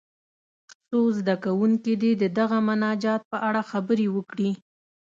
څو زده کوونکي دې د دغه مناجات په اړه خبرې وکړي.